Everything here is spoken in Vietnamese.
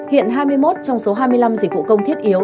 hiện hai mươi một trong số hai mươi năm dịch vụ công thiết yếu